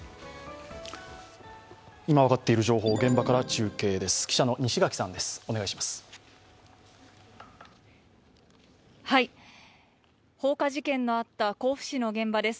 今分かっている情報を現場から中継です。